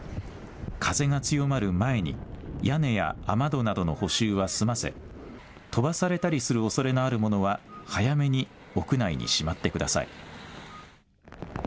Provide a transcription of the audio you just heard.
風が強まる前に屋根や雨戸などの補修は済ませ飛ばされたりするおそれのあるものは早めに屋内にしまってください。